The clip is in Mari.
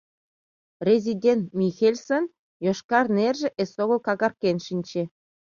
Резидент Михельсын йошкар нерже эсогыл какарген шинче.